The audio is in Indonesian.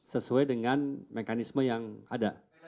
sesuai dengan mekanisme yang ada